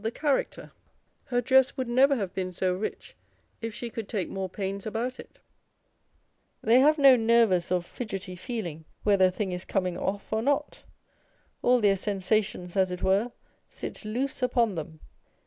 Sp 246 Hot and Cold the character ; her dress would never have been so rich, if she could take more pains about it â€" they have no nervous or fidgety feeling whether a thing is coming off or not : all their sensations, as it were, sit loose upon them.